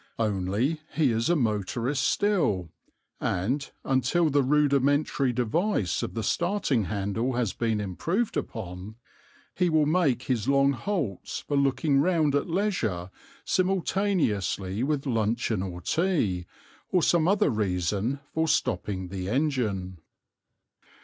Only he is a motorist still, and, until the rudimentary device of the starting handle has been improved upon, he will make his long halts for looking round at leisure simultaneously with luncheon or tea, or some other reason for stopping the engine.